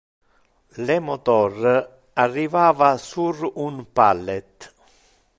Le motor arrivava sur un pallet.